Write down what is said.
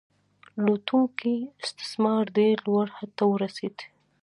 لوټونکی استثمار ډیر لوړ حد ته ورسید.